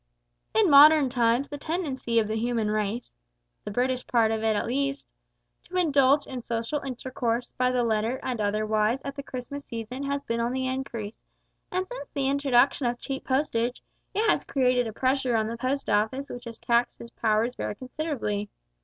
In modern times the tendency of the human race (the British part of it at least) to indulge in social intercourse by letter and otherwise at the Christmas season has been on the increase, and, since the introduction of cheap postage, it has created a pressure on the Post Office which has taxed its powers very considerably.